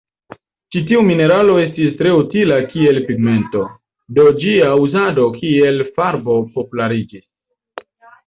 Ĉi tiu mineralo estis tre utila kiel pigmento, do ĝia uzado kiel farbo populariĝis.